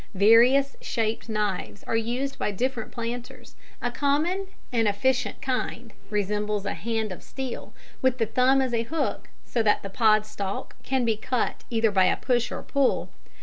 Various shaped knives are used by different planters, a common and efficient kind (see drawing), resembles a hand of steel, with the thumb as a hook, so that the pod stalk can be cut either by a push or a pull.